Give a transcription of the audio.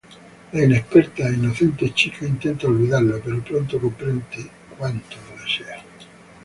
La inexperta e inocente chica intenta olvidarlo, pero pronto comprende cuánto le desea.